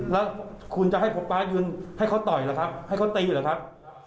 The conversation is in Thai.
แล้วคุณจะให้ผมป๊ายืนให้เขาต่อยหรือครับให้เขาตีเหรอครับ